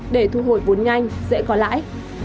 để thu hồi vốn nhanh dễ có lãi